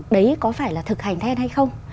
đấy có phải là thực hành then hay không